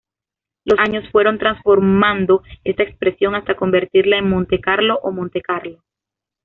Los años fueron transformando esta expresión hasta convertirla en Monte Carlo o Montecarlo.